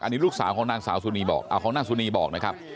นี่ลูกสาวของนางสาวสุนีบอกของนางสุนีบอกนะครับ